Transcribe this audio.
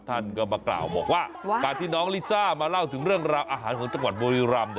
ท่านก็มากล่าวบอกว่าการที่น้องลิซ่ามาเล่าถึงเรื่องราวอาหารของจังหวัดบุรีรำ